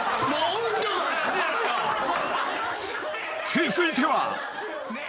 ［続いては］